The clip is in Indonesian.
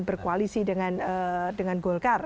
berkoalisi dengan golkar